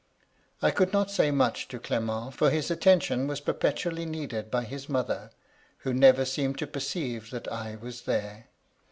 I could not say much to Clement, for his attention was perpetually needed by his mother, who never seemed to perceive that I was there.